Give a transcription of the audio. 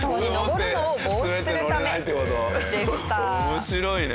面白いね。